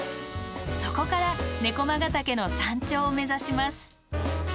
そこから猫魔ヶ岳の山頂を目指します。